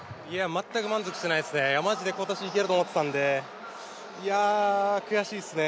全く満足してないですね、マジで今年いけると思ってたんでいや、悔しいっすね。